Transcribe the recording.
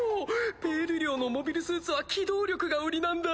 ペイル寮のモビルスーツは機動力が売りなんだ。